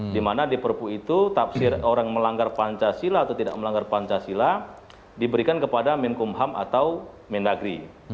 di mana di perpu itu tafsir orang melanggar pancasila atau tidak melanggar pancasila diberikan kepada min kumham atau mindagri